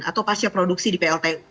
atau pasca produksi di pltu